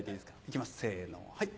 いきますせのはい。